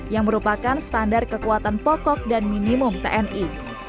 yang merupakan standar kekuatan pokok dan minimum tni